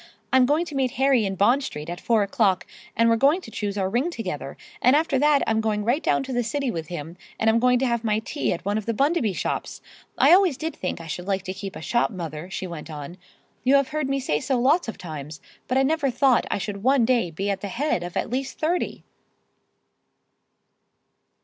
I'm going to meet Harry in Bond Street at four o'clock, and we're going to choose our ring together; and after that I'm going right down to the city with him, and I'm going to have my tea at one of the Bundaby shops. I always did think I should like to keep a shop mother," she went on, "you have heard me say so lots of times, but I never thought that I should one day be at the head of at least thirty!"